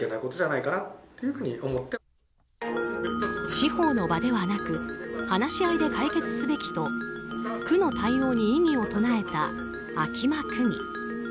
司法の場ではなく話し合いで解決すべきと区の対応に異議を唱えた秋間区議。